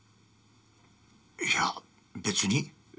いや別に？